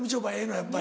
やっぱり。